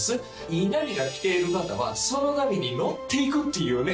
いい波がきている方はその波に乗っていくっていうね